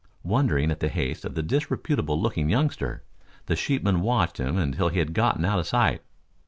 Wondering at the haste of the disreputable looking youngster, the sheepman watched him until he had gotten out of sight.